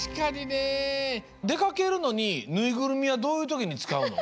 でかけるのにぬいぐるみはどういうときにつかうの？